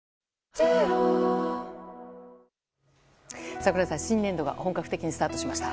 櫻井さん、新年度が本格的にスタートしました。